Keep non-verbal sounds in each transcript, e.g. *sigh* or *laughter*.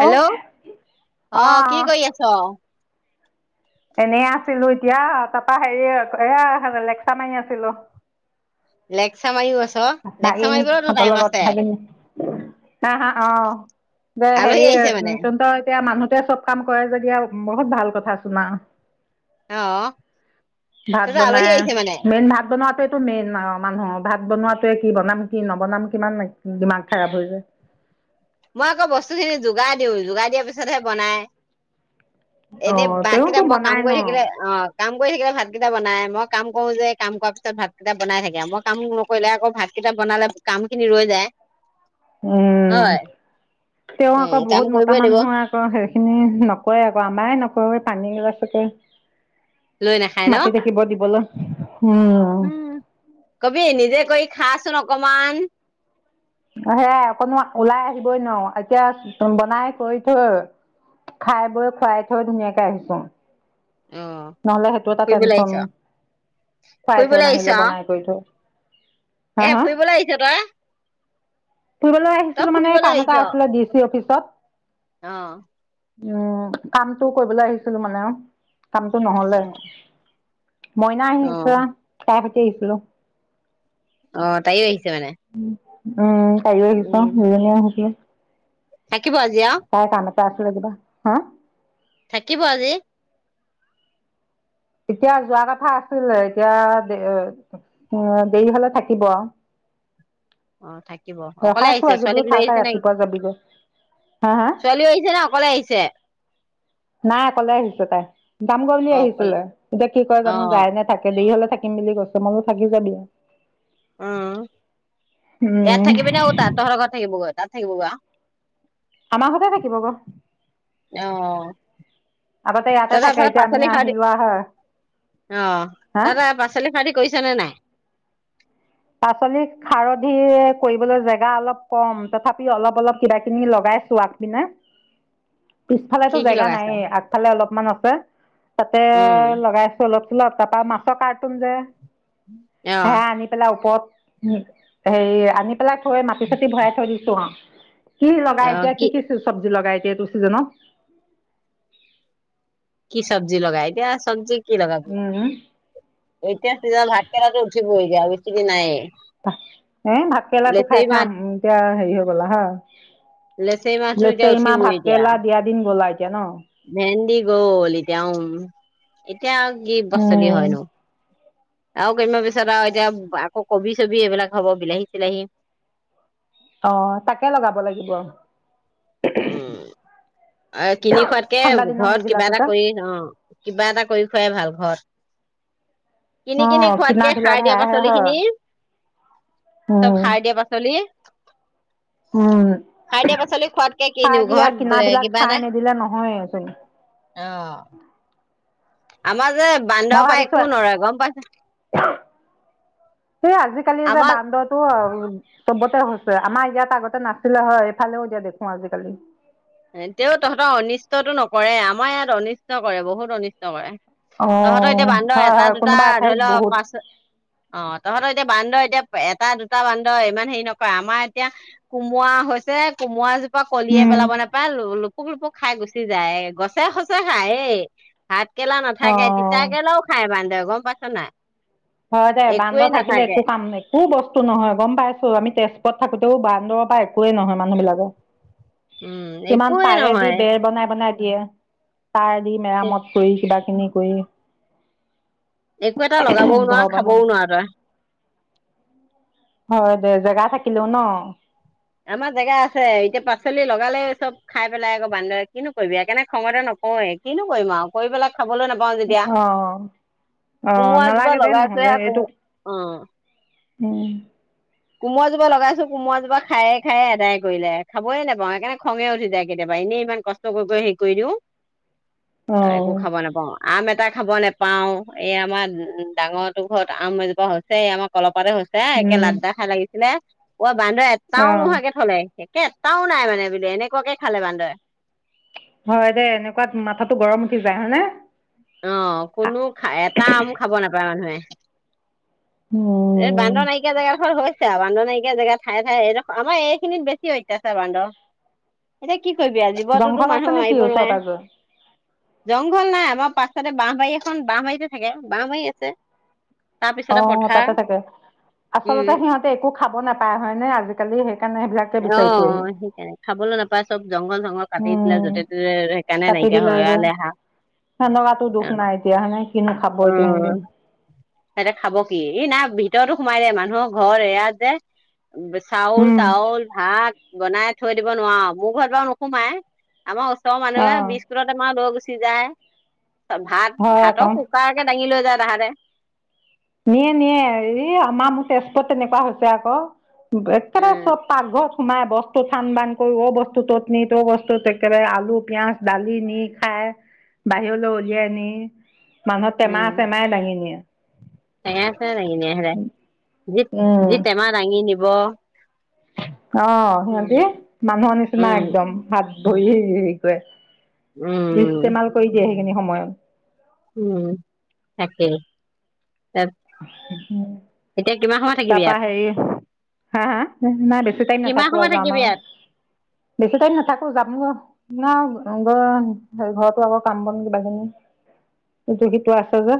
Hello অ অ 'কি কৰি আছ? এনেই আছিলো এতিয়া তাৰাপা হেৰি এয়া লেকচাৰ মাৰি আছিলো। লেকচাৰ মাৰিও আছ লেকচাৰ ভাগিন মাৰিবলৈতো হঁতৰ টাইম লগত আছে ভাগিন হা- হা অ' দে আলহী হেৰি আহিছে মানে তহতৰ এতিয়া মানুহ চব কাম কৰে যদি আও বহুত ভাল কথা চোন আও। অ ভাত তহতৰ আলহী বনাই আহিছে মানে মেইন ভাত বনাওতে মেইন মানুহ ভাত বনোৱাত কি বনাম কি নবনাম কিমান দিমাগ খাৰাপ হৈ যায়। মই আকৌ বস্তুখিনি যোগাৰ দিওঁ যোগাৰ দিয়াৰ পিছতহে বনাই। অ এনেই ভাত তেওঁতো কেইটা মই বনাই কাম ন কৰি থাকিলে অহ কাম কৰি থাকিলে ভাত ভাত কেইটা বনাই মই কাম কৰো যে কাম কৰা পিছত ভাত কেইটা বনাই থাকে মই কাম নকৰিলে আকৌ ভাত কেইটা বনালে কাম খিনি ৰৈ যায়। উম হয় তেওঁ উম আকৌ কাম বহুত মতা কৰিবই লাগিব মানুহৰ আকৌ সেইখিনি নকৰে আকৌ আমাৰে নকৰে। পানী নি লৈ নাখায় *unintelligible* ন মাতি থাকিব দিবলে। উম কবি নিজে কৰি খাচোন অকমান। সেয়াই অকণো ওলাই আহিবই নোৱাৰ এতিয়া বনাই কৰি থৈ খাই বৈ খুৱাই থৈ ধুনীয়াকে আহিছো। অ নহ'লে সেইটো এটা ফুৰিবলৈ টেনচন, আহিছ খুৱাই থৈ নাহিলে বনাই কৰি থওঁ এহ ফুৰিবলৈ আহিছ তই ফুৰিবলৈ তই আহিছিলো মানে কাম এটা আছিলে ডি চি অফিচ ক'ত অহ উম কামটো কৰিবলৈ আহিছিলো মানে অহ কামটো নহ'লে মইনা আহিছে অ', তাই দিছিলো অহ তায়ো আহি উম অহ তায়ো আহিছে উম। দুয়োজনীয়ে সৈতে থাকিব আজি অহ চাছু লাগিব হা থাকিব আজি এতিয়া যোৱা কথা আছিলে, এতিয়া দেই হল দেৰি হলে থাকিব অ থাকিব অকলে ৰখাইছো আহিছে আজি বোলো ছোৱালীক লৈ থাক তাই আহিছে নে ৰাতিপুৱা যাবিগৈ হা হা ছোৱালী আহিছে ন অকলে আহিছে? নাই অকলে আহিছে তাই। যাম গৈ বুলি অ', অকলে আহিছিলো এতিয়া কি কয় জানো অ', যায় নে থাকে দেৰি হ'লে থাকিম বুলি কৈছে, ময়ো থাকি যাবি উম ইয়াত উম থাকিবি ন অঔ তাত তহৰৰ ঘৰত থাকিব ঘৰত? তাত থাকিব বাও আমাৰ ঘৰতে থাকিব বাও অ আগতে ইয়াতে থাকে তাতেৰা এতিয়া আমি পাচলি খাৰ আহি দি লোৱা হয় অ হা তাতে পাচলি খাৰ দি কৈছে নে নাই? পাচলি-খাৰধি কৰিবলৈ জেগা অলপ কম। তথাপি অলপ, অলপ কিবা - কিবি লগাইছো আগ পিনে। কি পিছফালেেতো কি জেগা লগাইছ? নাইে আগফালে অলপমান আ বা তাতে উম, লগাইছো অলপ তাৰাপা মাছ কাৰ্টুন যে অ'। সেয়া আনি পেলাই ওপৰত, হেৰি আনি পেলাই থৈ মাটি চাটি ভৰাই থৈ দিছোং আ কি অ', লগাইছে? কি কি-কি চব্জি লগাইছে? এইটো চিজন কি চব্জি লগাই এতিয়া চব্জি কি লগাব, এতিয়া তিয়, ভাতকেৰেলা উঠিবই। তিয় বেছিকে নাইয়ে। এ ভাত কেৰেলাটো লেচেৰি মাহ খাই-খাই এতিয়া হেৰি হৈ গ'ল আ হা। লেচৰি মাহটো এতিয়া লেচেৰি মাহ ভাত উঠিবই কেৰেলা দিয়া দিন গ'লা এতিয়া এতিয়া। ন ভেন্দি গ'ল, এতিয়া, উমম। এতিয়া আৰু কি পাচলি উম হয়নো? আৰু কেইমান পিছত আৰু এতিয়া আকৌ কবি-চবি এইবিলাক হব বিলাহী-চিলাহী অ, তাকে লগাব লাগিব। উম। অ', কিনি খোৱাতকে ঠাণ্ডা দিনৰ ঘৰত কিবা এটা হেৰিবিলাককে কৰি অ', কিবা এটা কৰি খুৱাই ভাল ঘৰত। অ কিনি-কিনি খোৱাতকে কিনাবিলাক সাৰ দিয়া সেয়াহে পাচলি হয় খিনি চব উম সাৰ দিয়া পাচলি। উম সাৰ দিয়া পাচলি খোৱাতকে সাৰ কিনও দিয়া কিনাবিলাক ঘৰত সাৰ এটা নিদিলা নহয়ে চোন। অ আমাৰ যে মই বান্দৰৰ পৰা একো ভাবিছো। নৰয় গম পাইছা এই আজিকালি যে আমাৰ বান্দৰটো চবতে হৈছে আমাৰ ইয়াত আগতে নাছিলে হয় এইফালেও দিয়া দেখো আজিকালি। তেওঁ তহঁতৰ অনিষ্টটতো নকৰে আমাৰ ইয়াত অনিষ্ট কৰে, বহুত অনিষ্ট কৰে। তহঁতৰ এতিয়া বান্দৰ এটা হয় দুটা কোনোবা ধৰি এঠাইত লও বহুত পাচ অ', তহঁতৰ এতিয়া বান্দৰ এতিয়া, এটা দুটা বান্দৰ ইমান হেৰি নকৰে। আমাৰ এতিয়া কোমোৱা হৈছে। কোমলোৱা জো প কলিয়ে পেলাবানে লুপুক-লুপুক খাই গুচি যায়, গছে-সচ খাই। এই ভাত একেলা অ নাথাকে তিতাকৰেলাও খায় বান্দেক গম পাইছ নাই। হয় দে বান্দ একোৱেই থাকিলে নাথাকে একো কাম নাই। বস্তু নহয় গম পাইছো আমি তেজপুৰত থাকোঁতে বান্দ পৰাই একোৱেই নহয় মানুহ বিলাকে উম কিমান একোৱেই পাৰে দি নহয় বেৰ বনাই বনাই সিয়য়া তাৰ দি মেৰামত কৰি কিবা ইক একো এটা লগাবও নোৱাৰা। খাবও নোৱাৰা তয় হয় দে জেগা থাকিলো ন। আমাৰ জেগা আছে এতিয়া পাচলি লগালে চব খাই পেলাই আকৌ বান্দে কিনো কৰিবি এককাৰনেে খঙতে নকওঁৱে কিনো কৰিম আৰু কৰি পেলাই। খাবলৈ নাপাওঁ অ যেতিয়া অ কোমোৰা এজোপা নালাগে দে নহ'লে লগাইছহে কোমো অ উম কোমোৰাজোপা লগাইছো কোমোৰাজোপা খায়ে খায়ে কোমোৰা জুপা লগাইছো কোমোৰা জুপা খাই খাই আদায় কৰিলে খাবয়ে নাপাওঁ সেইকাৰণে খঙে উঠি যায় কেতিয়াবা এনেই ইমান কষ্ট কৰি কৰি হেৰি কৰি দিওঁ অ একো খাব নাপাওঁ আম এটাক খাব নেপাওঁ এই আমাৰ ডাঙৰো ঘৰত আম এজোপা হৈছে এই আমাৰ কলপ থপাটো হৈছে একে উম লাড্ডা লাগিছিনে অ বান্দৰ অ এটাও নোহোৱাকে থলে। একে এটাও নাই মানে বোলে এনেকুৱাকে খালে বান্দৰে হয় দে এনেকুৱাত মাথাাতো গৰম উঠি যায় হয় নে, অ থনেক উম। বান্দৰ নাইকিয়া জেগা দখত হয়। বান্দ নাইকিয়া জেগা ঠাই য়ে ঠাইয়ে এইডখ আমাৰ এই খিনিত বেছি হত্যাছাৰ বান্দ এ কি কৰিবি জীৱনোতো জংঘল আছে মানুহ নেকি মাৰিব ওচৰ নোৱাৰে। পাজৰে? জংঘল নাই আমাৰ পাছতে বাঁহবাৰী এখন বাহহবাৰীতে থাকে বাঁহবাৰী আছে। অ তাৰপিছতে তাতে পথাৰ। আচলতে উম সিহঁতে একো খাব নাপায় হয় নে আজিকালি। কালি শেষ আহ সেইকাৰণে খাবলৈ নাপায় চব জংঘল চংঘল কাটি দিলে উম য'তে ততে সেইকাৰণে কাটি নাইকিয়া দিলে হৈৰা যে লেহা অহ কিন খাবাব এতিয়া হেতি হেতে খাব কি ই নাই ভিতৰতো সোমাই দে মানুহৰ ঘৰ এ ইয়াত যে চাউল, উম তাউল, ভাত বনাই থৈ দিব নোৱাৰো মোৰ ঘৰত বাৰু নোসোমাই। আমাৰ ওচৰ অ মানহে বিছকুত তেমালৈ গৈছে চিজাইয় ভাত হয় ভাতৰ আকৌ। কুকাৰ কে দাঙি লৈ যায় তাহাঁতে। নিয়ে নিয়ে হৰি আমাৰ মোৰ তেজপুৰ তেনেকুৱা হৈছে ক একেবাৰে উম চব পাগঘৰত সোমাই বস্তু চান বান কৰি অ বস্তু তত নি ত' বস্তুত একেবাৰে আলু পিয়াঁজ দালি নি খাই বাহিৰলৈ উলিয়াই নি মানুহৰ টেমা চেমাই দাঙি নিয়ে। টেমা চেমাই দাঙিনিয়ে সদায় যি উম। টেমা দাঙি বা অ সিহঁতি মানুহৰ নিচিনা উম একদম ভাত ব সে *inaudible* উম ইষ্ট্তেমাল কৰি দিয়া হি সেইখিনি সময়ত উম তাকেই তাত এতিয়া কিমান সময় তাৰ থাকিবি পা ইয়াত হেৰি হা হা বেছি টাইম কিমান নাথাকো সময় আৰু যাম থাকিবি আৰু ইয়াত বেছি টাইম নাথাকো যাম ন। ন হ ঘৰতো আকৌ কাম বন কিবা খিনি ইটো সিটো আছে যে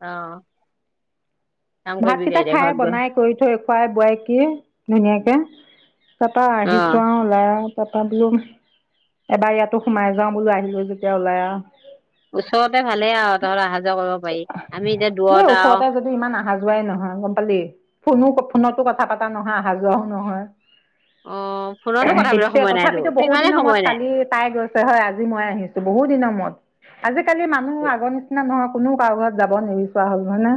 অ ' ভাতকেইটা খাই বনাই কৰি থৈ খুৱাই বোৱাই একে ধুনীয়াকে তাপা অ আহিছো আৰু ওলাই তাপা বলো এবাৰ ইয়াতো সোমাই যাও বোলো আহিলো যেতিয়া ওলাই আওঁ। ওচৰতে ভালে আৰু তহত অহা যোৱা কৰিব পাৰি আমি এতিয়া মোৰ দূৰত আৰু ওচৰতে যদিও ইমান অহা যোৱাই নহয় গম পালি ফোনো বৰকে ফোনতো কথা পতা নহয় অহা যোৱাও নহয়। অ ফোনতো কথা পাতিব এতিয়া সময় নাই তোৰ তথাপিতো তোৰ বহু ইমানেই দিনৰ মূৰত সময় নাই কালি তাই গৈছে হয়, আজি মই আহিছো বহুত দিনৰ মূৰত আজি আজি কালি আগৰ নিচিনা নহওক কোনো কাৰো ঘৰত যাব নিবিচৰা হ'ল নহয়।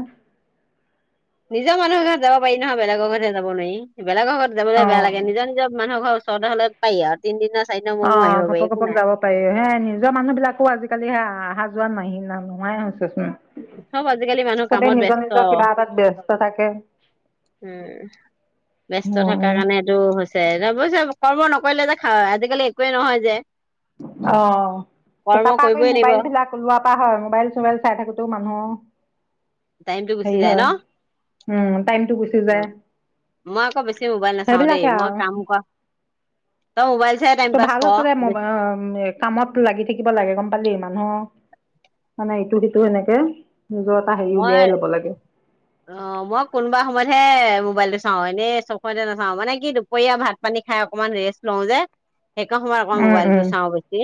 নিজৰ মানুহৰ ঘৰত যাব পাৰি নহয়, বেলেগৰ ঘৰত যাব নোৱাৰি বেলেগৰ ঘৰত যাবলৈ বেয়া লাগে অ'। নিজৰ- নিজৰ মানুহৰ ঘৰত তেনে হ'লে পাৰি আৰু তিনদিনা অ ঘপক- ঘপক যাব পাৰি হে নিজৰ মানুহ বিলাকো আজিকালি হে- অহা যোৱা নোহোৱাই হৈছে ন '? চব আজিকালি মানুহ কামত ব্যস্ত কিবা এটাত ব্যস্ত থাকে। উ ব্যস্ত থকাৰ অ'। কাৰণটো হৈছে একদম অৱশ্যে কৰ্ম নকৰিলে যে আজিকালি একোৱেই নহয় যে। অ' কৰ্ম তাপা আকৌ কৰিবই লাগিব মোবাইল বিলাক ওলোৱা পৰা হয় মোবাইল চোবাইল চাই থাকোতেও মা অহ, টাইমটো গুচি যায় ন উম, টাইমটো গুচি যায় 'মই আকৌ বেছি মোবাইল নাচাওঁ দেই সেইবিলাকে মই আৰু। কাম কৰা ত মোবাইল চাই টাইম ত পাছ ভাল আচ কৰ দে অ কামত লাগি থাকিব লাগে গম পালি মানুহ মানে ইটো সিটো সেনেকে নিজৰ এটা হেৰি উলিয়াই মই লব লাগে। অ মই কোনোবা সময়তহে মোবাইলটো চাওঁ হয় নে চখৰতে নাচাওঁ মানে কি দুপৰীয়া ভাত পানী খাই অকমান ৰেষ্ট লওঁ যে। সেই কন সময় আকৌ উম, মোবাইলটো উম, চাওঁ বেছি।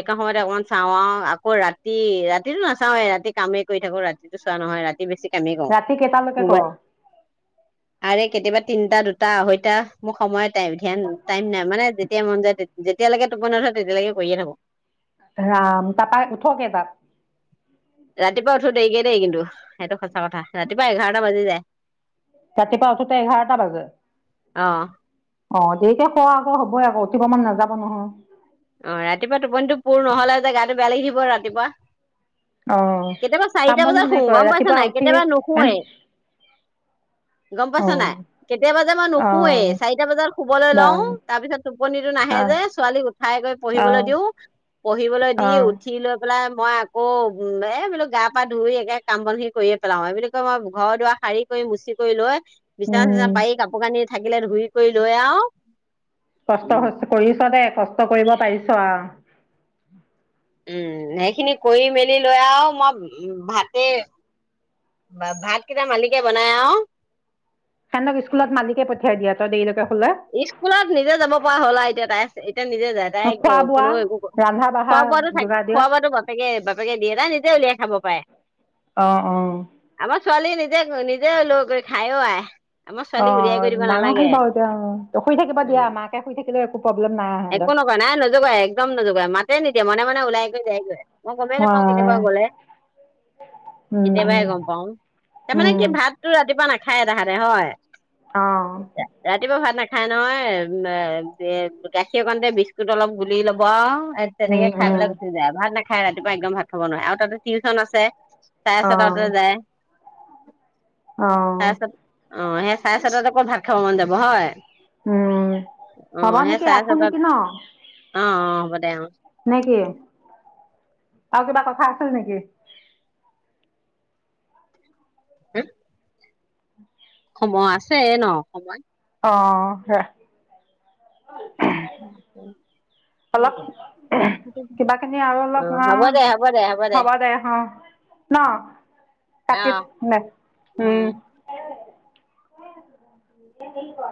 এককা সময়তে অকমান চাওঁ আৰু আকৌ ৰাতি-ৰাতি, ৰাতিটো নাচাওেই ৰাতি কামেই কৰি থাকো ৰাতিটো চোৱা নহয় ৰাতি বেছি কামেই কৰো ৰাতি কেইটালৈকে মোবাই কৰ? আৰে কেতিয়াবা তিনটা দুটা আঢ়ৈটা মোৰ সময়ত টাইম ধ্যান টাইম নাই মানে যেতিয়া মন যায়। যেতিয়ালৈকে টোপই নথয় তেতিয়ালৈকে কৰিয়ে থাকো। ৰাম, তাপায় উঠকেই তাত? ৰাতিপুৱা উঠো দেৰিকে দেই কিন্তু সেইটো সঁচা কথা ৰাতিপুৱা এঘাৰটা বাজি যায়। ৰাতিপুৱাতে এঘাৰটা বাজে। অ', দেৰিকৈ শুৱা আকৌ হ'বই আকৌ উঠিব মান নাযাব নহয়। অ', ৰাতিপুৱা টোপনিটো পুৰ নহলে যে গাটো বেযায় লাগি থাকিব ৰাতিপুৱা। অ কেতিয়াবা কাম চাৰিটা বন বজাত শু কোনে কৰে গম পাইছা ৰাতিপুৱা নাই উঠি কেতিয়াবা এন নুশোৱেই, গম অ পাইছা নে নাই, কেতিয়াবা নুশুৱেই অ চাৰিটা বজাত শুবলৈ বা লও তাৰ পিছত টোপনিটো নাহে আহ যে ছোৱালী গৈ পঢ়িবলৈ আহ দিও পঢ়িবলৈ দি আহ উঠি লৈ পেলাই মই আকৌ উম এই বোলো গা, পা' ধুই একে কাম বনি কৰিয়ে পেলাও এই বুলি কয় মই ঘৰ দুৱাৰ শাৰী কৰি মুচি কৰি লৈ বিচা চিচা উম পাৰি কাপোৰ কানি থাকিলে ধুই কৰি লৈ আ', কষ্ট কৰিছ দেই কষ্ট কৰিব পাৰিছ অ', উম সেইখিনি কৰি মেলি লৈ আৰু মই উ ভাতে বা ভাত কেইটা মালিকে বনাই অ', সেনতক ক্কুলত মালিকে *unintelligible* পঠিয়াই দিয়া তই দেৰিলৈকে শুলে স্কুলত নিজে যাব পৰা হ'ল আৰু এতিয়া তাই। এয়া নিজে যায় তাই খোৱা বোৱা কোনো একো ৰন্ধা বঢ়া খোৱা বোৱো থাক যোগাৰ দিয়া খোৱা বোৱাাতো বাপেকে বাপে দিয়ে না *unintelligible* উলিয়াই খাব পাৰে, অ অ আমাৰ ছোৱালী নিজে নিজেও লৈ গৈ খায়ও আই। আমাৰ অ ছোৱালীক উলিয়াই কৰি দিব ডাঙৰ নালাগে হল বাৰু এতিয়াও শুই থাকিব দিয়ে মাকে শুই থাকি *unintelligible* একো নকয় নাই নোজোকায় একদম নোজোকায়। মাত মাতে নিদিয়া মনে মনে ওলাই গৈ যাইগৈ। মই গমেই অ নাপাওঁ কেতিয়াবা গলে, উম কেতিয়াবাই গম পাও। উম তাৰমানে উম কি ভাতটো ৰাতিপুৱা না *inaudible* খাই তাহাতে হয়। অ ৰাতিপুৱা ভাত নাখায় নহয় *inaudible* গাখীৰকণতে বিস্কুট অলপ গুলি লব আৰু এ উম তেনেকে খাই উম পেলাই গুচি যায় ভাত নেখায়। খাই ৰাতিপুৱা একদম ভাত খাব নোৱাৰে আৰু তাতে টিউচন আছে। চাৰে অ ছটা বজাতে যায়। অ অ অ সেই চাৰে ছতাতে আক ক'ত ভাত খাব মন যাব। হয় উম, অ হব সেই নেকি ৰা *inaudible* চাৰে ৰাখো ছটাত নেকি ন অ অ হ'ব দে অ নে কি? আৰু কিবা কথা আছিল নেকি? হম অ অ আছে ন সময় অ হে অ অলপ *inaudible* কিবাখিনি আৰু অলপ অ হ'ব দে হ'ব দে হব দে অ ন কাটি দে উম। নে কি ক